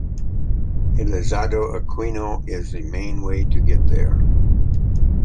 Elizardo Aquino is the main way to get there.